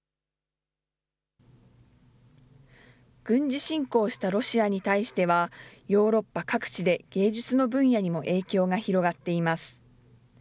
軍事侵攻したロシアに対してはヨーロッパ各地で芸術の分野にも影響が広がっています。